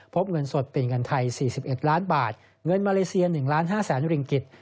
พบเงินสดเป็นเงินไทย๔๑ล้านบาทเงินมาเลเซีย๑๕๐๐๐ริงกิจ